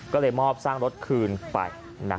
ก็เลยมอบสร้างรถคืนไป